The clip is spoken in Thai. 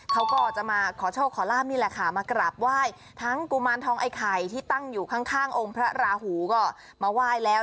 เขาก็จะมาขอโชคขอลาบนี่แหละค่ะมากราบไหว้ทั้งกุมารทองไอ้ไข่ที่ตั้งอยู่ข้างองค์พระราหูก็มาไหว้แล้ว